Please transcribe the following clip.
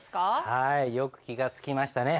はいよく気が付きましたね。